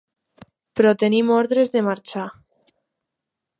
Però tenim ordres de marxar.